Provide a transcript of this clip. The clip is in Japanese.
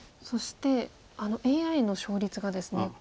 そしてＡＩの勝率がですね